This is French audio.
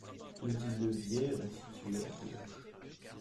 Ledit levier est situé à gauche.